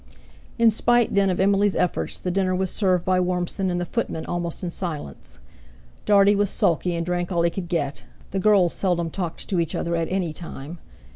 In spite then of Emily's efforts, the dinner was served by Warmson and the footman almost in silence. Dartie was sulky, and drank all he could get; the girls seldom talked to each other at any time.